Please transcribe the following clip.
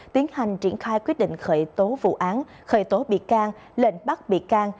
tiến hành triển khai quyết định khởi tố vụ án khởi tố bị can lệnh bắt bị can